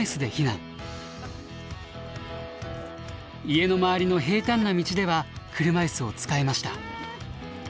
家の周りの平たんな道では車いすを使えました。